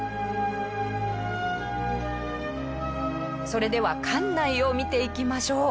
それでは館内を見ていきましょう。